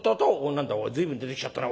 何だい随分出てきちゃったな。